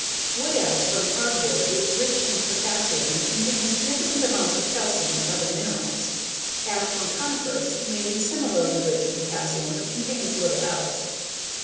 Wood ash from hardwoods is rich in potassium and contains significant amounts of calcium and other minerals. Ash from conifers may be similarly rich in potassium but contains little else.